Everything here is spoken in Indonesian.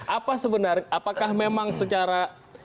apa sebenarnya apakah memang secara